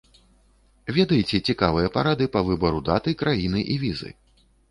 Ведаеце цікавыя парады па выбару даты, краіны і візы?